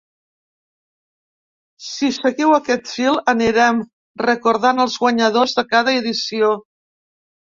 Si seguiu aquest fil anirem recordant els guanyadors de cada edició.